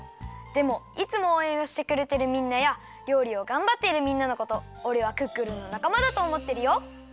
でもいつもおうえんをしてくれてるみんなやりょうりをがんばっているみんなのことおれはクックルンのなかまだとおもってるよ。